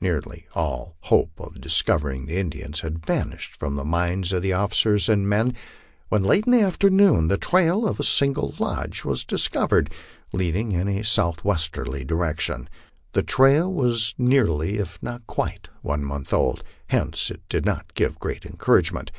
Nearly all hope of discover ing the Indians had vanished from the minds of the officers and men, when late in the afternoon the trail of a single lodge was discovered, leading in a southwesterly direction. The trail was nearly if not quite one month old; hence it did not give great encouragement.